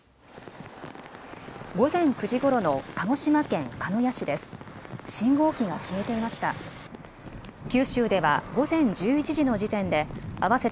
午前９時ごろの鹿児島県鹿屋市です。